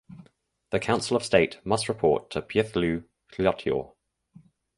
The Council of State must report to Pyithu Hluttaw.